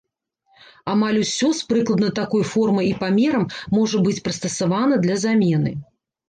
Амаль усё, з прыкладна такой формай і памерам можа быць прыстасавана для замены.